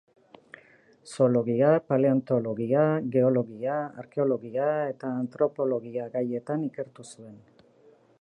Zoologia, paleontologia, geologia, arkeologia eta antropologia gaietan ikertu zuen.